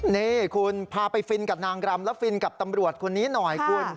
นี่คุณพาไปฟินกับนางรำและฟินกับตำรวจคนนี้หน่อยคุณ